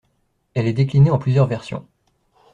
Elle est déclinée en plusieurs versions.